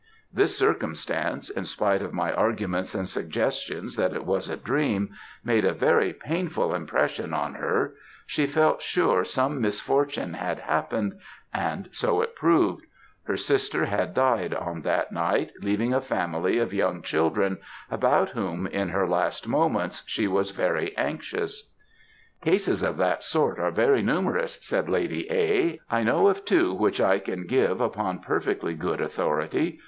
This circumstance, in spite of my arguments and suggestions that it was a dream, made a very painful impression on her; she felt sure some misfortune had happened, and so it proved; her sister had died on that night, leaving a family of young children, about whom, in her last moments, she was very anxious." "Cases of that sort are very numerous," said Lady A., "I know of two which I can give upon perfectly good authority.